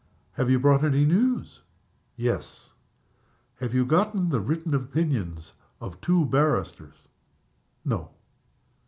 "Have you brought any news?" "Yes." "Have you got the written opinions of the two barristers?" "No."